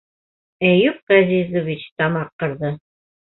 Әйүп Ғәзизович тамаҡ ҡырҙы: